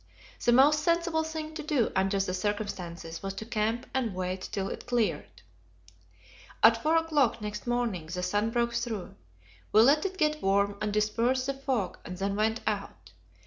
The most sensible thing to do, under the circumstances, was to camp and wait till it cleared. At four o'clock next morning the sun broke through. We let it get warm and disperse the fog, and then went out.